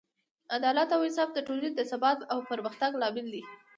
عدالت او انصاف د ټولنې د ثبات او پرمختګ لامل دی.